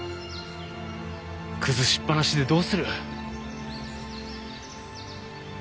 崩しっぱなしでどうする。